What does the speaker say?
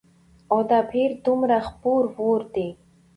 او دا بهير دومره خپور وور دى